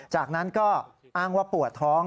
จากนั้นก็อ้างว่าปวดท้อง